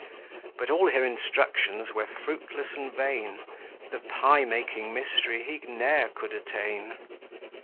But all her instructions were fruitless and vain; The pie making mystery he ne'er could attain.